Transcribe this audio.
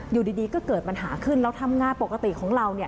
อยู่ดีก็เกิดปัญหาขึ้นเราทำงานปกติของเราเนี่ย